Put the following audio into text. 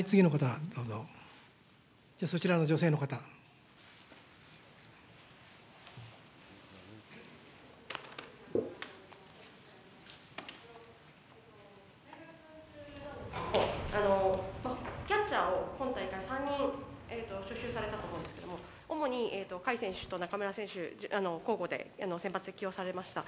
次の方、キャッチャーを今大会３人招集されたと思うんですけど、主に甲斐選手と中村選手、交互で先発で起用されました。